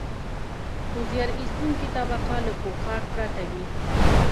خو زیار ایستونکې طبقه له پوښاک پرته وي